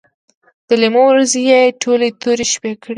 د لیمو ورځې یې ټولې تورې شپې کړې